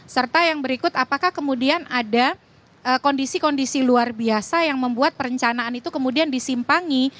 serta yang berikut apakah kemudian ada kondisi kondisi luar biasa yang membuat perencanaan itu kemudian disimpangi